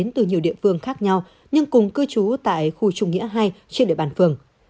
phương khác nhau nhưng cùng cư trú tại khu trung nghĩa hai trên địa bàn phường